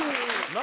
何？